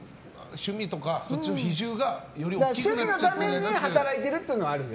趣味のために働いているのはあるよ。